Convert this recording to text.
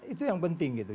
itu yang penting gitu